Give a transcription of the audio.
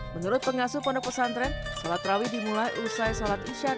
menurut pengasuh pondok pesantren salat rawih dimulai usai salat isyarat